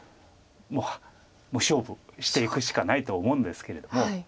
もう勝負していくしかないと思うんですけれども。